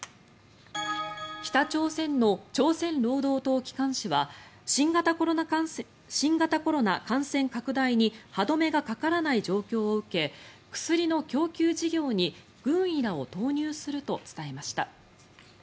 北朝鮮の朝鮮労働党機関紙は新型コロナ感染拡大に歯止めがかからない状況を受け薬の供給事業に軍医らを投入すると伝えました。